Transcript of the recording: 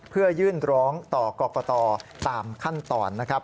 เพื่อยื่นร้องต่อกรกตตามขั้นตอนนะครับ